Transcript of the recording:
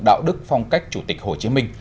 đạo đức phong cách chủ tịch hồ chí minh